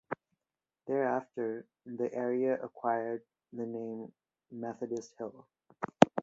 Thereafter, the area acquired the name Methodist Hill.